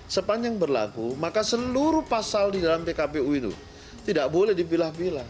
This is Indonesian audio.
sepanjang berlaku maka seluruh pasal di dalam pkpu itu tidak boleh dipilah pilah